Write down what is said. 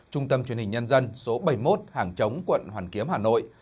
trung tâm truyền hình nhân dân số bảy mươi một hàng chống quận hoàn kiếm hà nội